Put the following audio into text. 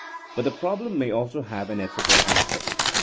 But the problem may also have an ethical aspect.